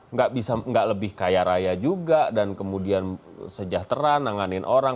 nggak bisa nggak lebih kaya raya juga dan kemudian sejahtera nanganin orang